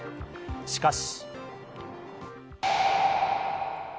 しかし。